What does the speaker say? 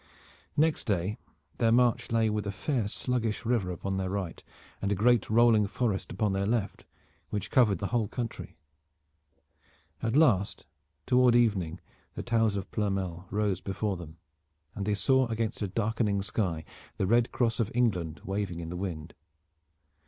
Next day their march lay with a fair sluggish river upon their right, and a great rolling forest upon their left which covered the whole country. At last toward evening the towers of Ploermel rose before them and they saw against a darkening sky the Red Cross of England waving in the wind.